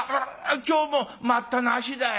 今日も『待ったなし』だい」。